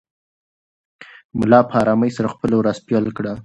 ملا په ارامۍ سره خپله ورځ پیل کړه.